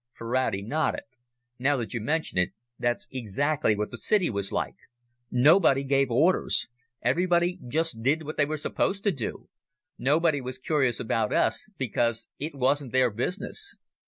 Ferrati nodded. "Now that you mention it, that's exactly what the city was like. Nobody gave orders everybody just did what they were supposed to do. Nobody was curious about us because it wasn't their business."